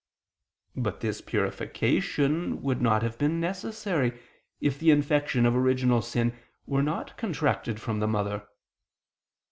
But this purification would not have been necessary, if the infection of original sin were not contracted from the mother.